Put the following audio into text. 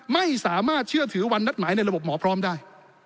ไม่สามารถเชื่อถือวันนัดหมายในระบบหมอพร้อมได้